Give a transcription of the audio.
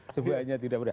sebaiknya tidak percaya